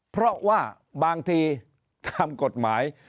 เพราะว่าบางทีตามกฎหมาย